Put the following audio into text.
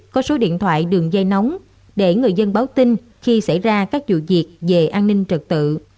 có số điện thoại đường dây nóng để người dân báo tin khi xảy ra các vụ việc về an ninh trật tự